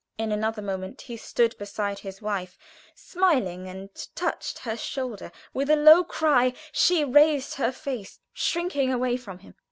In another moment he stood beside his wife, smiling, and touched her shoulder; with a low cry she raised her face, shrinking away from him.